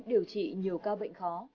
điều trị nhiều ca bệnh khó